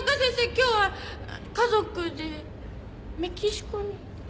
今日は家族でメキシコに。